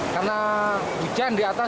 karena hujan di atas